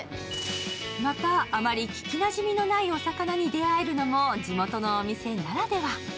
また、あまり聞きなじみのないお魚に出会えるのも地元のお店ならでは。